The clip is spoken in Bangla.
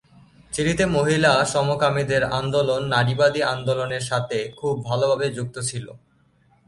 চিলিতে মহিলা সমকামীদের আন্দোলন নারীবাদী আন্দোলনের সাথে খুব ভালোভাবে যুক্ত ছিল।